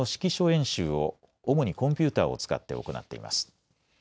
演習を主にコンピューターを使って行っています。